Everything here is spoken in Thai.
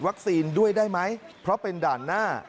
ด้วยได้ไหมเพราะเป็นด่านหน้า